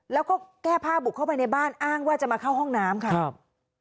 แล้วก็แก้ผ้าบุกเข้าไปในบ้านอ้างว่าจะมาเข้าห้องน้ำค่ะครับ